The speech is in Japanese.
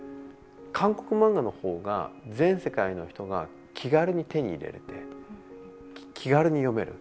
韓国漫画の方が全世界の人が気軽に手に入れれて気軽に読める。